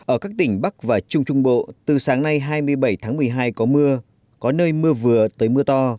ở các tỉnh bắc và trung trung bộ từ sáng nay hai mươi bảy tháng một mươi hai có mưa có nơi mưa vừa tới mưa to